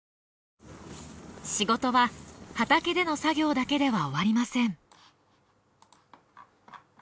仕事は畑での作業だけでは終わりません。